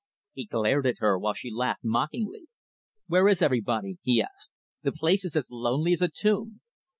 He glared at her while she laughed mockingly. "Where is everybody?" he asked. "The place is as lonely as a tomb."